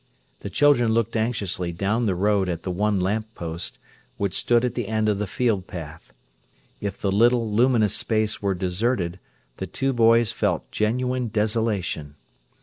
The children looked anxiously down the road at the one lamp post, which stood at the end of the field path. If the little, luminous space were deserted, the two boys felt genuine desolation.